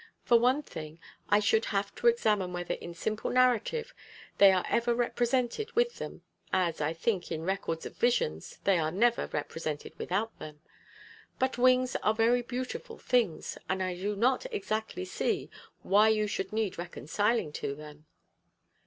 For one thing, I should have to examine whether in simple narrative they are ever represented with them, as, I think, in records of visions they are never represented without them. But wings are very beautiful things, and I do not exactly see why you should need reconciling to them."